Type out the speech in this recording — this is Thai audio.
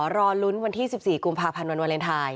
รอลุ้นวันที่๑๔กุมภาพันธ์วันวาเลนไทย